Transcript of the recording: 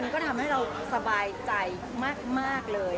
ก็ทำให้เราสบายใจมากเลย